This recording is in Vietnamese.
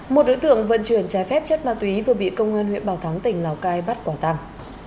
một đối tượng vận chuyển trái phép chất ma túy vừa bị công an huyện bảo thắng tỉnh lào cai bắt quả tàng